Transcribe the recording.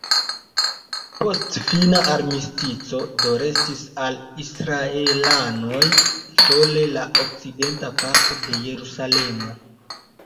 Post fina armistico do restis al la israelanoj sole la okcidenta parto de Jerusalemo.